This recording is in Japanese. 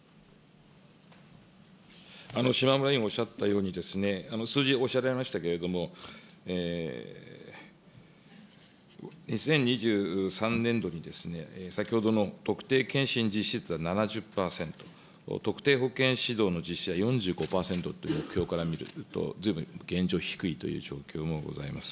島村委員おっしゃったように、数字でおっしゃられましたけれども、２０２３年度に、先ほどの特定健診受診率は７０％、特定保健指導の実施は４５％という、ずいぶん現状低いという状況もございます。